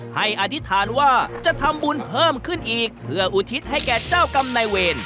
อธิษฐานว่าจะทำบุญเพิ่มขึ้นอีกเพื่ออุทิศให้แก่เจ้ากรรมนายเวร